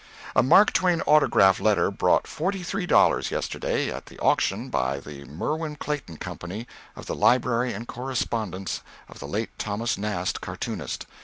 _ A Mark Twain autograph letter brought $43 yesterday at the auction by the Merwin Clayton Company of the library and correspondence of the late Thomas Nast, cartoonist.